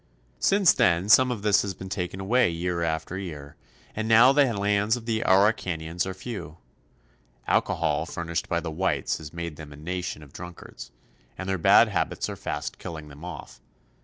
Since then some of this has been taken away year after year, and now the lands of the Araucanians are few. THE ARAUCANIANS. 141 Alcohol furnished by the whites has made them a nation of drunkards, and their bad habits are fast killing them off.